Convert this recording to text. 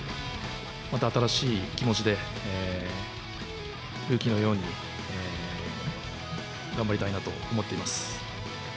また新しい気持ちで、ルーキーのように頑張りたいなと思っています。